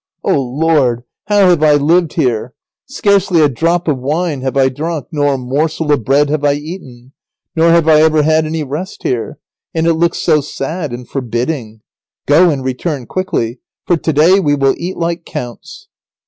O Lord! how have I lived here! Scarcely a drop of wine have I drunk nor a morsel of bread have I eaten, nor have I ever had any rest here, and it looks so sad and forbidding. Go and return quickly, for to day we will eat like counts."